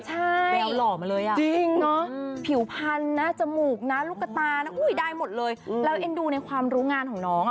ใช่จริงนะผิวพันธ์นะจมูกนะลูกตานะอุ้ยได้หมดเลยแล้วเอ็นดูในความรู้งานของน้อง